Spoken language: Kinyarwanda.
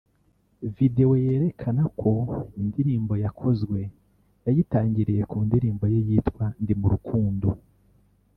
videwo yerekana uko indirimbo yakozwe yayitangiriye ku ndirimo ye yitwa “Ndi mu rukundo”